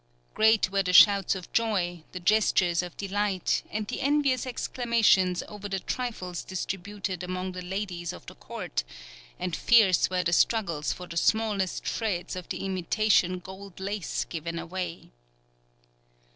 Great were the shouts of joy, the gestures of delight, and the envious exclamations over the trifles distributed amongst the ladies of the court, and fierce were the struggles for the smallest shreds of the imitation gold lace given away.